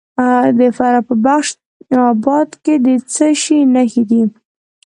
د فراه په بخش اباد کې د څه شي نښې دي؟